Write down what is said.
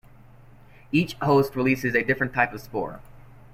Each host releases a different type of spore.